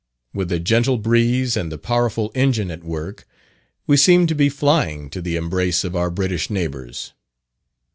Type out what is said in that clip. With a gentle breeze, and the powerful engine at work, we seemed to be flying to the embrace of our British neighbours.